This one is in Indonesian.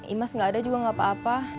imas nggak ada juga gak apa apa